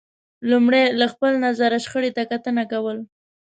لمړی له خپل نظره شخړې ته کتنه کول